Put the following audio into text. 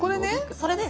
それです